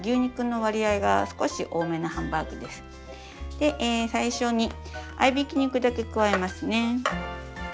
で最初に合いびき肉だけ加えますね。